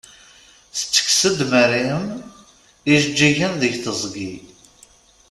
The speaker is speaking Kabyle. Tettekkes-d Maryem ijeǧǧigen deg teẓgi.